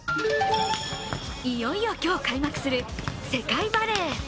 いよいよ今日開幕する世界バレー。